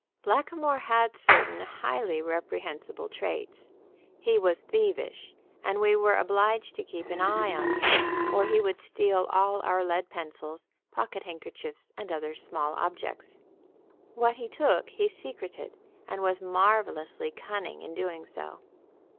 Blackamoor had certain highly reprehensible traits. He was thievish, and we were obliged to keep an eye on him, or he would steal all our lead pencils, pocket handkerchiefs and other small objects. What he took he secreted, and was marvelously cunning in doing it.